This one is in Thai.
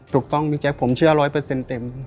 ถูกต้องมิแจ๊กผมเชื่อ๑๐๐เต็ม